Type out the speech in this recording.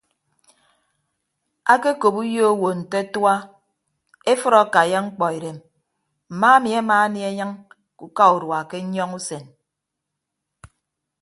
Ake okop uyo owo nte atua efʌd akaiya mkpọ edem mma ami ama anie enyịñ ke uka urua ke nyọñọ usen.